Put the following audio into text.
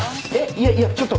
いやいやちょっと。